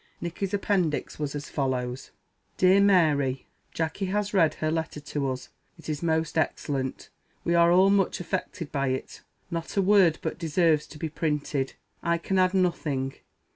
Nicky's appendix was as follows: "DEAR MARY Jacky has read her letter to us. It is most excellent. We are all much affected by it. Not a word but deserves to be printed. I can add nothing.